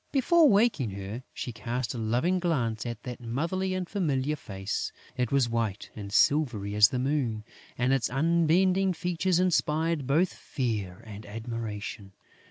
Before waking her, she cast a loving glance at that motherly and familiar face. It was white and silvery as the moon; and its unbending features inspired both fear and admiration.